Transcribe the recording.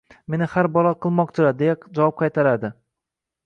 “Meni har balo qilmoqchilar…”, deya javob qaytaradi.